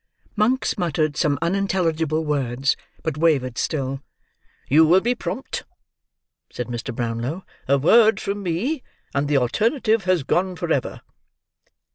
Monks muttered some unintelligible words, but wavered still. "You will be prompt," said Mr. Brownlow. "A word from me, and the alternative has gone for ever."